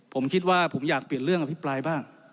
ผมคิดว่าผมอยากเปลี่ยนเรื่องอภิปรายบ้าง